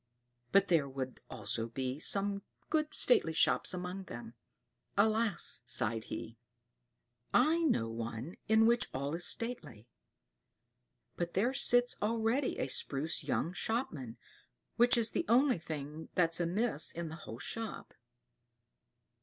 But there would also be some good stately shops among them. Alas!" sighed he, "I know one in which all is stately; but there sits already a spruce young shopman, which is the only thing that's amiss in the whole shop.